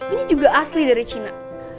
ini juga asli dari cina